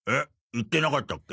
言ってなかったっけ？